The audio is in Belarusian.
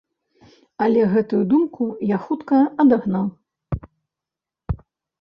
Але гэтую думку я хутка адагнаў.